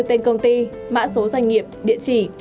tên công ty mã số doanh nghiệp địa chỉ